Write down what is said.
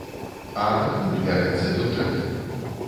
А адкуль бярэцца бюджэт?